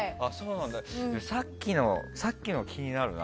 でもさっきの気になるな。